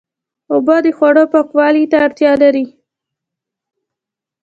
اوبه د خوړو پاکوالي ته اړتیا لري.